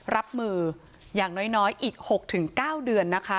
รับมืออย่างน้อยอีก๖๙เดือนนะคะ